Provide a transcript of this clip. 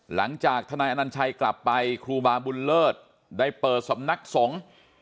หลังจากทนายนันชัยกลับไปครูบาร์บูลเลิศได้เปิดสำนักสงฆ์